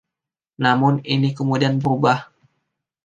Namun, ini kemudian berubah .